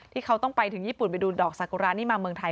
ที่เขาต้องไปถึงญี่ปุ่นไปดูดอกสากุระนี่มาเมืองไทย